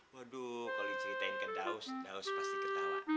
waduh kalau diceritain ke daus daus pasti ketawa